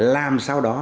làm sau đó